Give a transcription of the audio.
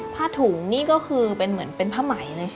ผ้าถุงนี่ก็คือเป็นเหมือนเป็นผ้าไหม